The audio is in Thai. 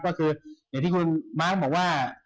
ก็คืออย่างที่คุณมาร์คบอกว่า